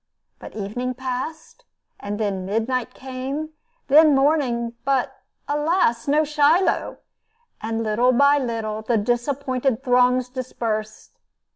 But the evening passed, then midnight came, then morning, but alas! no Shiloh; and, little by little, the disappointed throngs dispersed!